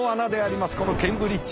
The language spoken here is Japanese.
このケンブリッジ。